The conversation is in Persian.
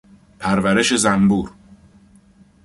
پرورش زنبور